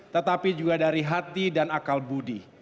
tetapi juga dari hati dan akal budi